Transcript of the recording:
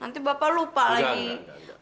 nanti bapak lupa lagi